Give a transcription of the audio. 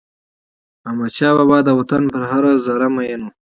احمدشاه بابا د وطن پر هره ذره میین و.